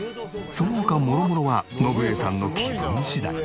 その他もろもろは延衛さんの気分次第。